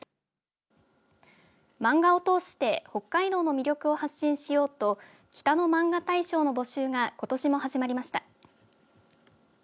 漫画を通して北海道の魅力を発信しようと北のまんが大賞の募集がことしも始まりました。